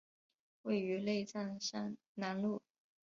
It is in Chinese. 位于内藏山南麓。